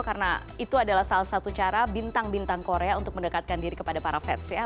karena itu adalah salah satu cara bintang bintang korea untuk mendekatkan diri kepada para fans ya